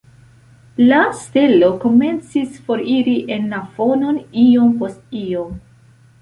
La stelo komencis foriri en la fonon iom post iome.